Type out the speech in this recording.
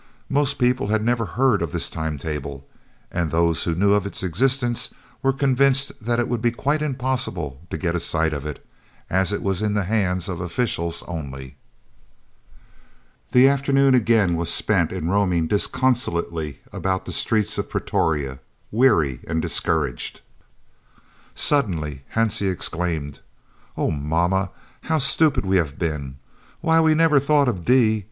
Most people had never heard of this time table, and those who knew of its existence, were convinced that it would be quite impossible to get a sight of it, as it was in the hands of officials only. The afternoon again was spent in roaming disconsolately about the streets of Pretoria, weary and discouraged. Suddenly Hansie exclaimed: "Oh mamma, how stupid we have been! Why, we never thought of D.